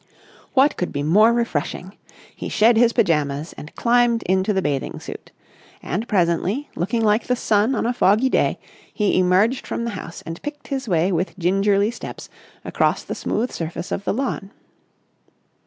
What could be more refreshing? He shed his pyjamas, and climbed into the bathing suit. And presently, looking like the sun on a foggy day, he emerged from the house and picked his way with gingerly steps across the smooth surface of the lawn.